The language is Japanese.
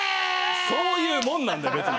そういうもんなんだ別に。